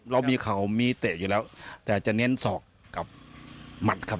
เรามีเข่ามีเตะอยู่แล้วแต่จะเน้นศอกกับหมัดครับ